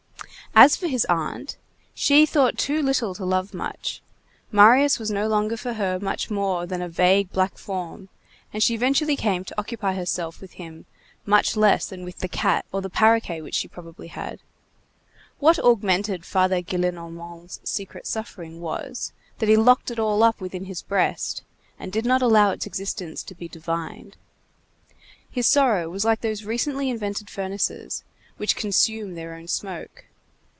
As for his aunt, she thought too little to love much; Marius was no longer for her much more than a vague black form; and she eventually came to occupy herself with him much less than with the cat or the paroquet which she probably had. What augmented Father Gillenormand's secret suffering was, that he locked it all up within his breast, and did not allow its existence to be divined. His sorrow was like those recently invented furnaces which consume their own smoke.